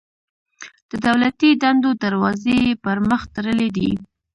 د دولتي دندو دروازې یې پر مخ تړلي دي.